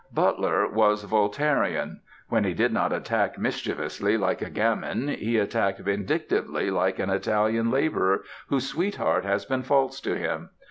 Butler was Voltairean. When he did not attack mischievously like a gamin, he attacked vindictively like an Italian laborer whose sweetheart has been false to him.